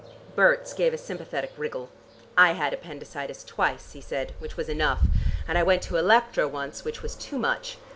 Berts gave a sympathetic wriggle. "I had appendicitis twice," he said, "which was enough, and I went to Electra once which was too much.